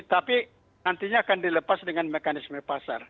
tapi nantinya akan dilepas dengan mekanisme pasar